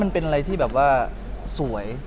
เขาส่งให้เราดูมั้ย